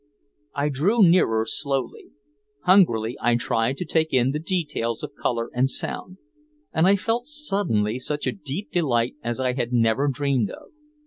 I drew nearer slowly. Hungrily I tried to take in the details of color and sound. And I felt suddenly such a deep delight as I had never dreamed of.